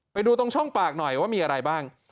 ไปดูตรงช่องปากหน่อยว่ามีอะไรบ้าง